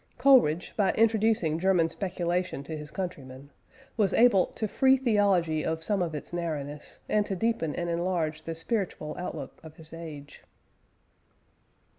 Coleridge, by introducing German speculation to his countrymen, was able "to free theology of some of its narrowness, and to deepen and enlarge the spiritual outlook of his age."